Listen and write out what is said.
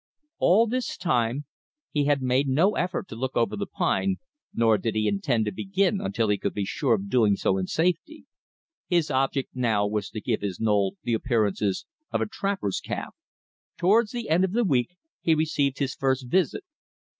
All this time he had made no effort to look over the pine, nor did he intend to begin until he could be sure of doing so in safety. His object now was to give his knoll the appearances of a trapper's camp. Towards the end of the week he received his first visit.